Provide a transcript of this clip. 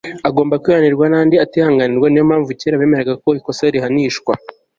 agomba kwihanganirwa n'andi atihanganirwa.niyo mpamvu kera, bemeraga ko ikosa rihanishwa